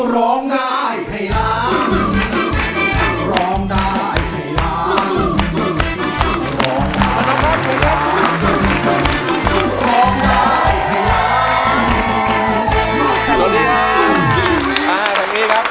สวัสดีครับ